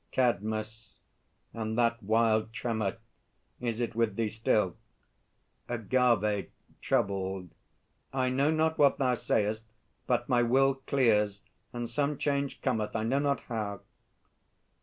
CADMUS. And that wild tremor, is it with thee still? AGAVE (troubled). I know not what thou sayest; but my will Clears, and some change cometh, I know not how.